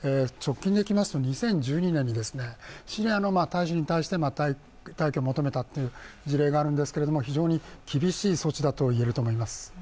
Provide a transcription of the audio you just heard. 直近でいきますと２０１２年にシリアの大使に対して退去を求めたという事例があるんですけれども、非常に厳しい措置だと言えると思います。